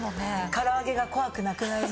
唐揚げが怖くなくなるね。